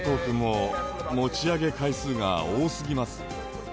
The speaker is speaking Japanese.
君も持ち上げ回数が多過ぎます。